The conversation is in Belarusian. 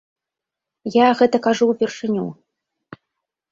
Я гэта кажу ўпершыню.